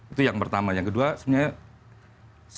itu yang pertama yang kedua sebenarnya